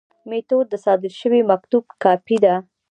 مینوټ د صادر شوي مکتوب کاپي ده.